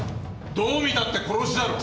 どう見たって殺しだろ。